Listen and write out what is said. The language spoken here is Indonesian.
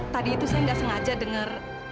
tadi itu saya nggak sengaja dengar